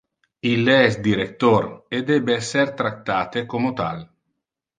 Ille es director e debe esser tractate como tal.